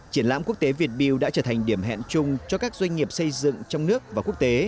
triển lãm quốc tế việt build đã trở thành điểm hẹn chung cho các doanh nghiệp xây dựng trong nước và quốc tế